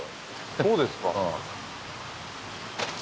そうですか？